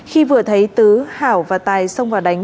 khi vừa thấy tứ hảo và tài xông vào đánh